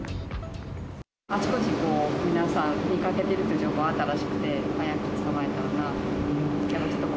あちこち皆さん、見かけているという情報があったらしくて、早く捕まったらなと。